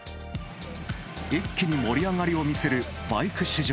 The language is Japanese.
一気に盛り上がりを見せるバイク市場。